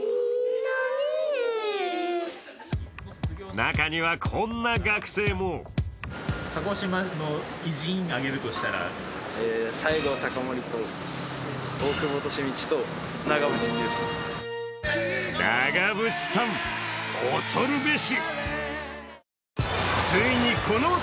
中にはこんな学生も長渕さん、恐るべし！